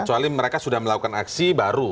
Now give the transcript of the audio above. kecuali mereka sudah melakukan aksi baru